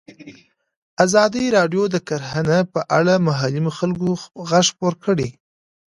ازادي راډیو د کرهنه په اړه د محلي خلکو غږ خپور کړی.